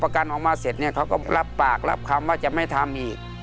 เขาก็รับปากรับคำว่าจะไม่ทำอีก